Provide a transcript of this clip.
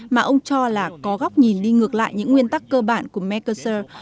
mà ông cho là có góc nhìn đi ngược lại những nguyên tắc cơ bản của megasur